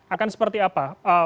akan seperti apa